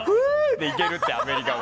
でいけるって、アメリカは。